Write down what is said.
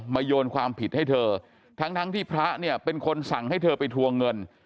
โยนความผิดให้เธอทั้งที่พระเนี่ยเป็นคนสั่งให้เธอไปทวงเงิน